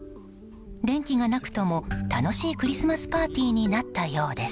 電気がなくとも楽しいクリスマスパーティーになったようです。